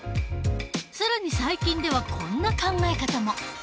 更に最近ではこんな考え方も。